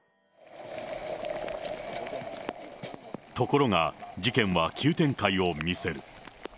ところが、事件は急展開を見せる。